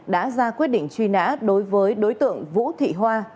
đã ra quyết định truy nã đối với đối tượng vũ thị hoa